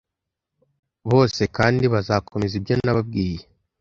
Bose kandi bazakomeza ibyo nababwiye.